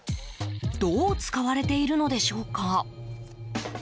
どう使われているのでしょうか？